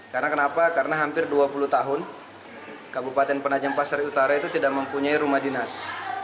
karena kenapa karena hampir dua puluh tahun kabupaten penajam pasar utara itu tidak mempunyai rumah dinas